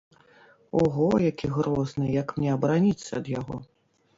Ого, які грозны, як мне абараніцца ад яго?